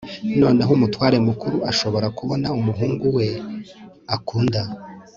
noneho umutware mukuru ashobora kubona umuhungu we akunda